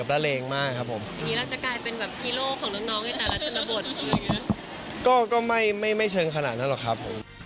แล้วก็ไม่เชิงขนาดนั้นหรอกครับ